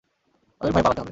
তাদের ভয়ে পালাতে হবে।